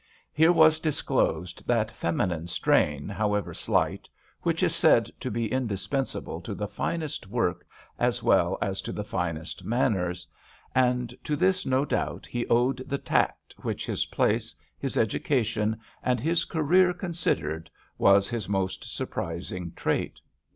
Here was disclosed that feminine strain, however slight, which is said to be indis pensable to the finest work as well as to the finest manners, and to this, no doubt, he owed the tact which, his place, his education, and his career considered, was his most surprising trait.